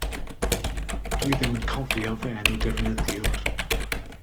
Dw i ddim yn cofio fy enw defnyddiwr.